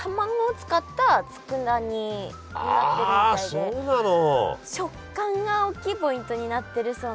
あそうなの。